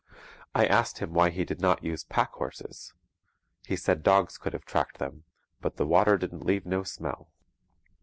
I asked him why he did not use pack horses. He said dogs could have tracked them, but 'the water didn't leave no smell.'